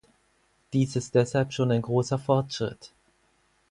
Dies ist deshalb schon ein großer Fortschritt.